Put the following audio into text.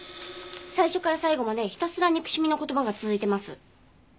最初から最後までひたすら憎しみの言葉が続いてます。